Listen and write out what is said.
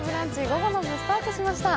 午後の部スタートしました。